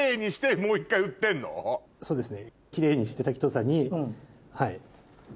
そうですね。